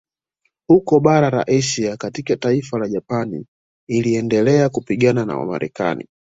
Huko bara la Asia katika taifa la Japani iliendelea kupigana na Wamarekani